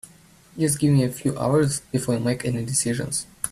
Just give me a few hours before you make any decisions.